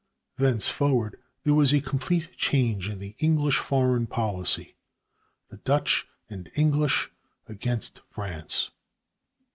Thenceforward, there was a complete change in the English foreign policy. The Dutch and English Against France.